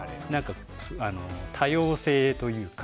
多様性というか。